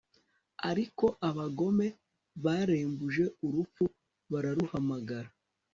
ariko abagome barembuje urupfu bararuhamagara